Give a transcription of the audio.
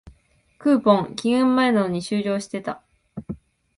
クーポン、期限前なのに終了してた